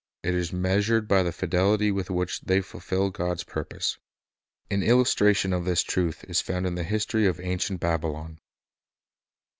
It is measured by the fidelity with which they fulfil God's purpose. An illustration of this truth is found in the history of ancient Babylon.